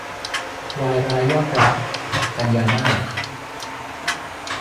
วายร้ายยอดรัก - กันยามาส